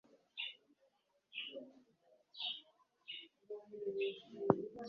Nyuma yiminsi mike twumvise inkuru ibabaje